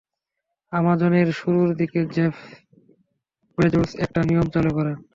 আমাজনের শুরুর দিকে Jeff Bezos একটি নিয়ম চালু করেন।